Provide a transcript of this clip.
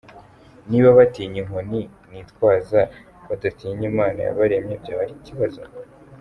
Niba batinya inkoni nitwaza, badatinya Imana yabaremye byaba ari ikibazo.